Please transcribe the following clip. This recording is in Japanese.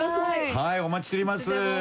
「はいお待ちしております」